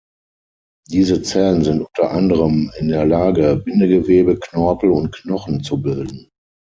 Diese Zellen sind unter anderem in der Lage, Bindegewebe, Knorpel und Knochen zu bilden.